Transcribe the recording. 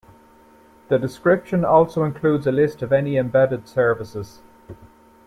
The description also includes a list of any embedded services.